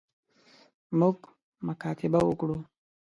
موږ مکاتبه وکړو.